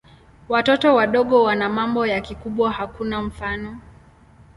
Watoto wadogo wana mambo ya kikubwa hakuna mfano.